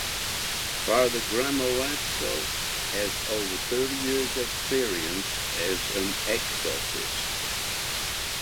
Father Gramolazzo has over thirty years experience as an exorcist.